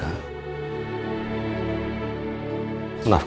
jangankan menafkahkan keluarga